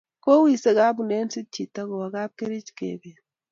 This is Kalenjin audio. kowise abulensit chito kowo kapkerich kebet